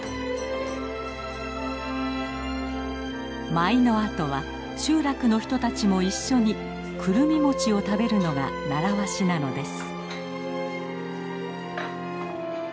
舞のあとは集落の人たちも一緒にくるみ餅を食べるのが習わしなのです。